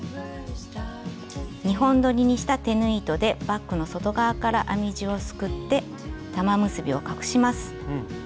２本どりにした手縫い糸でバッグの外側から編み地をすくって玉結びを隠します。